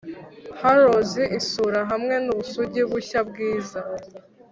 haloes isura hamwe nubusugi bushya bwiza,